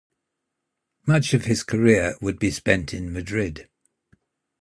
Much of his career would be spent in Madrid.